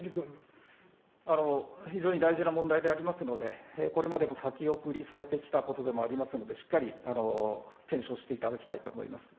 非常に大事な問題でありますので、これまでも先送りされてきたことでもありますので、しっかり検証していただきたいと思います。